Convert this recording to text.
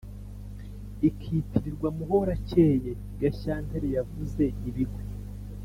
ikitirirwa ‘muhorakeye gashyantare yavuze ibigwi